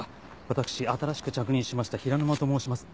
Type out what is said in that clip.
私新しく着任しました平沼と申します。